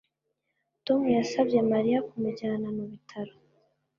Tom yasabye Mariya kumujyana mu bitaro